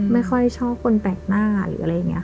ไม่ค่อยชอบคนแปลกหน้าหรืออะไรอย่างนี้ค่ะ